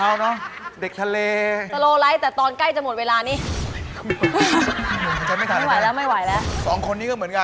หมายเลข๖แจการทรงกระบอก